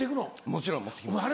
もちろん持って行きます。